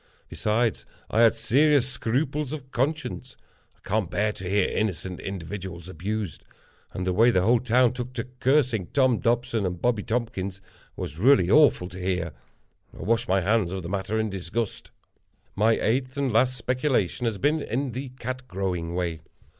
Besides, I had serious scruples of conscience. I can't bear to hear innocent individuals abused—and the way the whole town took to cursing Tom Dobson and Bobby Tompkins was really awful to hear. I washed my hands of the matter in disgust. My eighth and last speculation has been in the Cat Growing way.